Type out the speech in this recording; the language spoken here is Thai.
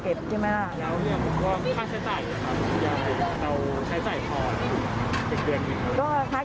แล้วเนี่ยค่าใช้จ่ายนะครับทุกอย่างเราใช้จ่ายพอ